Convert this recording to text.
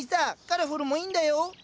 カラフルもいいんだよ？